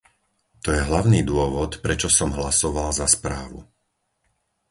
To je hlavný dôvod, prečo som hlasoval za správu.